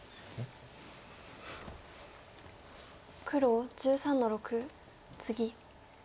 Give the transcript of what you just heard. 黒１３の六ツギ。